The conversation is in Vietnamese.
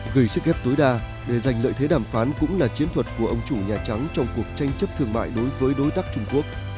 gây sức ép tối đa để giành lợi thế đàm phán cũng là chiến thuật của ông chủ nhà trắng trong cuộc tranh chấp thương mại đối với đối tác trung quốc